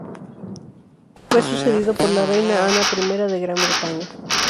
Fue sucedido por la reina Ana I de Gran Bretaña.